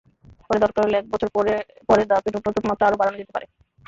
পরে দরকার হলে এক বছর পরে পরের ধাপে ন্যূনতম মাত্রা আরও বাড়ানো যেতে পারে।